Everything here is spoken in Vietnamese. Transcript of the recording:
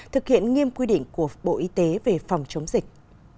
thực hiện nghiêm quy định của bộ y tế về phòng chống dịch